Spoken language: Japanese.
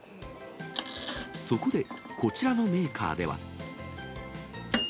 そこで、こちらのメーカーでは。